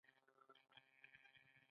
نيکي خپره کړه.